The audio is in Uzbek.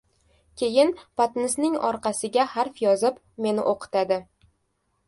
Keyin patnisning orqasiga harf yozib, meni o‘qitadi.